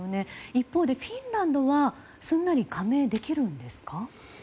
一方でフィンランドはすんなり加盟できるんですか？